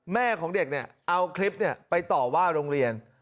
แม่ของเด็กเนี่ยเอาคลิปไปต่อว่าโรงเรียน